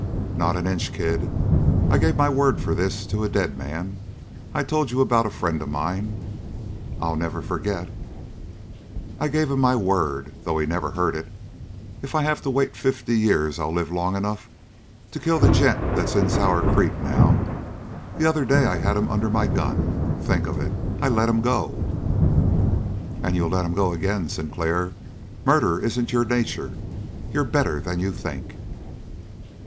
"Not an inch. Kid, I gave my word for this to a dead man. I told you about a friend of mine?" "I'll never forget." "I gave my word to him, though he never heard it. If I have to wait fifty years I'll live long enough to kill the gent that's in Sour Creek now. The other day I had him under my gun. Think of it! I let him go!" "And you'll let him go again. Sinclair, murder isn't in your nature. You're better than you think."